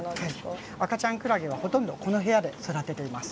赤ちゃんクラゲはほとんどこの部屋で育てています。